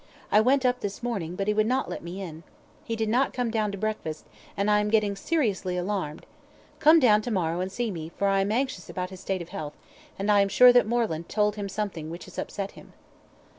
I went up this morning, but he would not let me in. He did not come down to breakfast, and I am getting seriously alarmed. Come down to morrow and see me, for I am anxious about his state of health, and I am sure that Moreland told him something which has upset him."